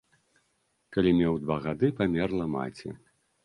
Калі меў два гады, памерла маці.